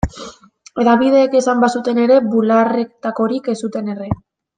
Hedabideek esan bazuten ere, bularretakorik ez zuten erre.